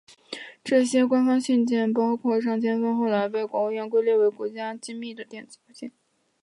这些官方通信包括上千封后来被由国务院归类为国家机密的电子邮件。